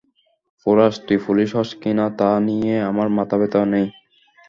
Porous, তুই police হস কি-না তা নিয়ে আমার মাথাব্যথা নেই।